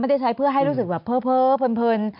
ได้ใช้เพื่อให้รู้สึกแบบเพ้อเพลิน